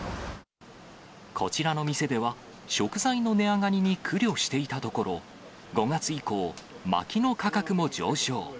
こちらの店では、食材の値上がりに苦慮していたところ、５月以降、まきの価格も上昇。